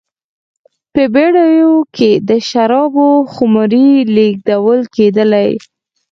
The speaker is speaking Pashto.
په بېړیو کې به د شرابو خُمرې لېږدول کېدلې